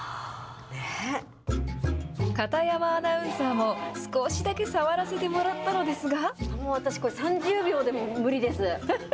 片山アナウンサーも少しだけ触らせてもらったのですが。